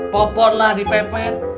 popon lah di pp